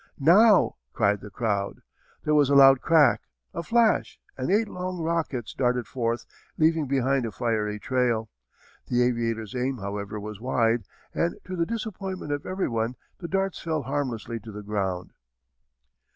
"Now!" cried the crowd. There was a loud crack, a flash, and eight long rockets darted forth leaving behind a fiery trail. The aviator's aim however was wide, and to the disappointment of everyone the darts fell harmlessly to the ground.